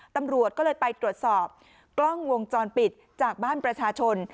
ตำรวจก็เลยไปตรวจสอบกล้องวงจรปิดจากบ้านประชาชน